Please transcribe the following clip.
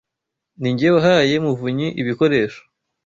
Ninjye wahaye Muvunyi ibikoresho.